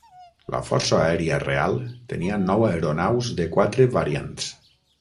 La Força Aèria real tenia nou aeronaus de quatre variants.